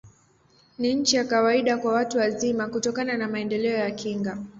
Ni chini ya kawaida kwa watu wazima, kutokana na maendeleo ya kinga.